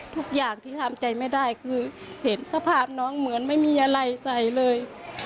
ทุกอย่างที่ทำใจไม่ได้คือเห็นสภาพน้องเหมือนไม่มีอะไรใส่เลย